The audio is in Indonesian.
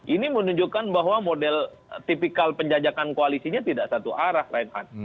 ini menunjukkan bahwa model tipikal penjajakan koalisinya tidak satu arah reinhardt